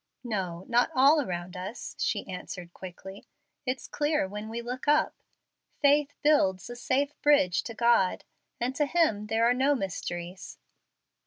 "No, not 'all around us,'" she answered, quickly. "It's clear when we look up. Faith builds a safe bridge to God, and to Him there are no mysteries."